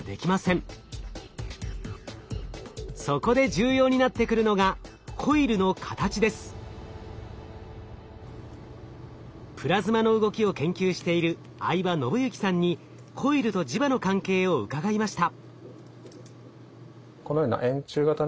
そこで重要になってくるのがプラズマの動きを研究している相羽信行さんにコイルと磁場の関係を伺いました。